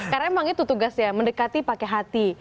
karena emang itu tugasnya mendekati pakai hati